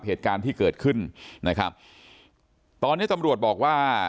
เหตุการณ์ที่เกิดขึ้นนะครับตอนนี้ตำรวจบอกว่า